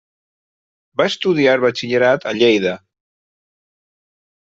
Va estudiar batxillerat a Lleida.